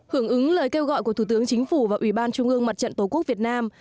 hưởng ứng lời kêu gọi của thủ tướng chính phủ và ủy ban trung ương mặt trận tổ quốc việt nam